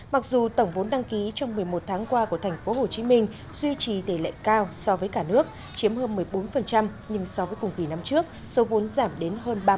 mặc dù tổng vốn đăng ký trong một mươi một tháng qua của tp hcm duy trì tỷ lệ cao so với cả nước chiếm hơn một mươi bốn nhưng so với cùng kỳ năm trước số vốn giảm đến hơn ba